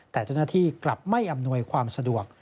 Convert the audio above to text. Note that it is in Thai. แต่เจ้าหน้าที่กลับไม่อำนวยความสะดวก